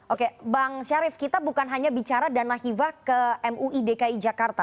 oke bang syarif kita bukan hanya bicara dana hibah ke mui dki jakarta